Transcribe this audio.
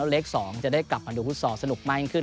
แล้วเลสก์๒จะได้กลับมาดูฮุศรสนุกมากขึ้น